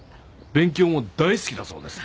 勉強も大好きだそうです。